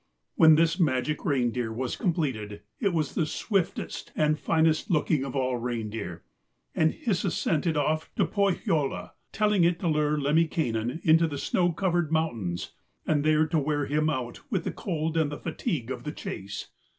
When this magic reindeer was completed it was the swiftest and the finest looking of all reindeer. And Hisi sent it off to Pohjola, telling it to lure Lemminkainen into the snow covered mountains and there to wear him out with the cold and the fatigue of the chase.